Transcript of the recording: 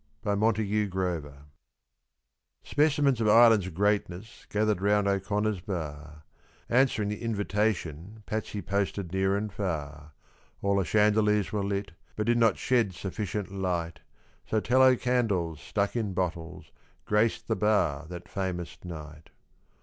_ Specimens of Ireland's greatness gathered round O'Connor's bar, Answering the invitation Patsy posted near and far. All the chandeliers were lit, but did not shed sufficient light, So tallow candles, stuck in bottles, graced the bar that famous night.